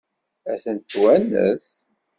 Ad tent-twanes?